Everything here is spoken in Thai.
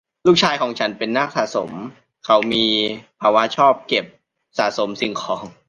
ลูกชายของฉันเป็นนักสะสม : เขามีภาวะชอบเก็บสะสมสิ่งของ